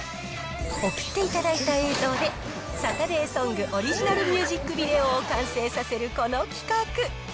送っていただいた映像で、サタデーソングオリジナルミュージックビデオを完成させる、この企画。